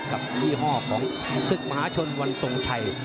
ยี่ห้อของศึกมหาชนวันทรงชัย